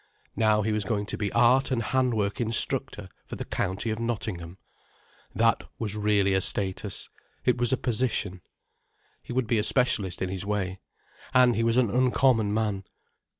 Now he was going to be Art and Handwork Instructor for the County of Nottingham. That was really a status. It was a position. He would be a specialist in his way. And he was an uncommon man.